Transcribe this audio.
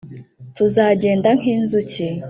tuzagenda nk inzuki